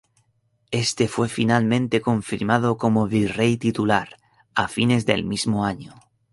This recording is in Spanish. Éste fue finalmente confirmado como virrey titular a fines del mismo año.